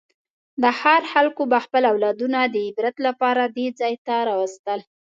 د ښار خلکو به خپل اولادونه د عبرت لپاره دې ځای ته راوستل.